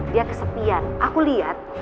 dia kesepian aku lihat